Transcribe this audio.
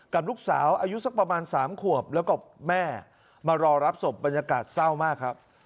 กับลูกสาวอายุสักประมาณ๓ขวบแล้วก็แม่มารอรับศพบรรยากาศเศร้ามากครับ